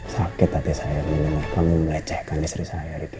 sakit hati saya mendengarkan lo melecehkan istri saya ricky